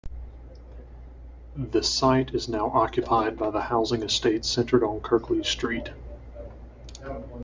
The site is now occupied by the housing estate centred on Kirklees Street.